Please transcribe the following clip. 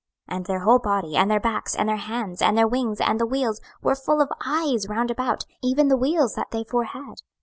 26:010:012 And their whole body, and their backs, and their hands, and their wings, and the wheels, were full of eyes round about, even the wheels that they four had.